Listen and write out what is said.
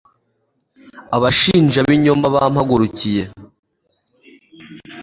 abashinjabinyoma bampagurukiye